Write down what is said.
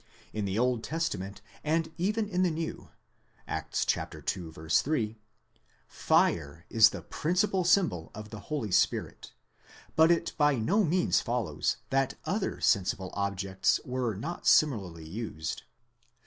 In the Old Testament, and even in the New (Acts il. 3), fire is the principal symbol of the Holy Spirit ; but it by no means follows: that other sensible objects were not similarly used.